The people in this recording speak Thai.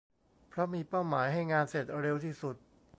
เพราะมีเป้าหมายให้งานเสร็จเร็วที่สุด